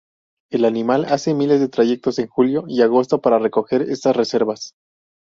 El animal hace miles de trayectos en julio y agosto para recoger estas reservas.